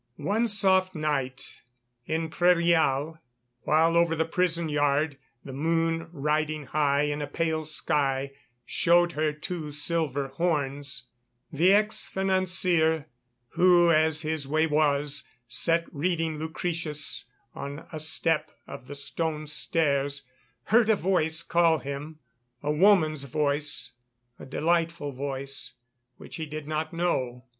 One soft night in Prairial, while over the prison yard the moon riding high in a pale sky showed her two silver horns, the ex financier, who, as his way was, sat reading Lucretius on a step of the stone stairs, heard a voice call him, a woman's voice, a delightful voice, which he did not know.